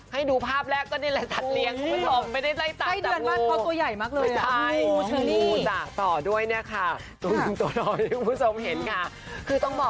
ให้ดูภาพแรกก็นี่แหละสัตว์เลี้ยงคุณผู้ชม